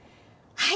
はい。